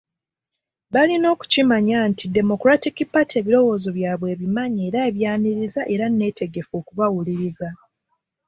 Balina okukimanya nti Democratic Party ebirowoozo byabwe ebimanyi era ebyaniriza era nneetegefu okubawuliriza.